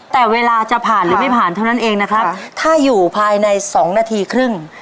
แต่เวลาจะผ่านหรือไม่ผ่านเท่านั้นเองนะครับถ้าอยู่ภายในสองนาทีครึ่ง